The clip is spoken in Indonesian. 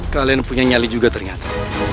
kalian punya nyali juga ternyata